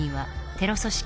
テロ組織